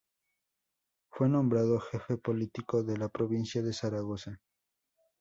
Fue nombrado Jefe Político de la provincia de Zaragoza.